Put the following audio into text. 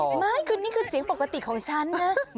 ไม่คือนี่คือเสียงปกติของฉันนะ